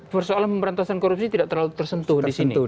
bersoalan pemberantasan korupsi tidak terlalu tersentuh disini